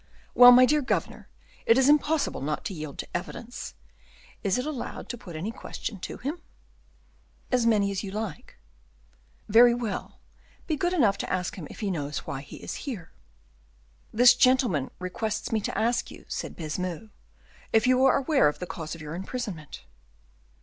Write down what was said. "Well, my dear governor, it is impossible not to yield to evidence. Is it allowed to put any question to him?" "As many as you like." "Very well; be good enough to ask him if he knows why he is here." "This gentleman requests me to ask you," said Baisemeaux, "if you are aware of the cause of your imprisonment?"